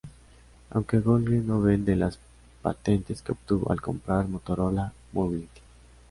Aunque Google no vende las patentes que obtuvo al comprar Motorola Mobility.